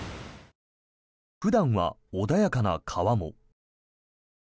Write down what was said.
普段は穏やかな川も。